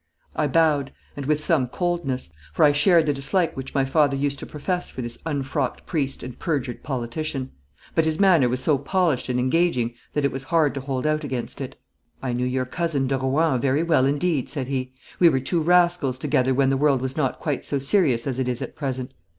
I bowed, and with some coldness, for I shared the dislike which my father used to profess for this unfrocked priest and perjured politician; but his manner was so polished and engaging that it was hard to hold out against it. 'I knew your cousin de Rohan very well indeed,' said he. 'We were two rascals together when the world was not quite so serious as it is at present.